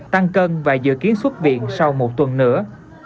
tăng cân và dự kiến xuất viện sau một tuần nữa